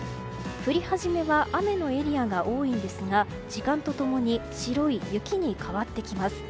降り始めは雨のエリアが多いんですが時間と共に白い雪に変わってきます。